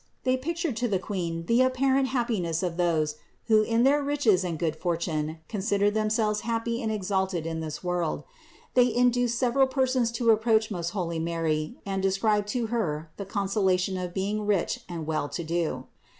They pictured to the Queen the apparent happiness of THE INCARNATION 281 those, who in their riches and good fortune, considered themselves happy and exalted in this world. They in duced several persons to approach most holy Mary and describe to Her the consolation of being rich and well to do.